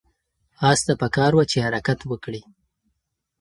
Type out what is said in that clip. آس ته پکار وه چې حرکت وکړي.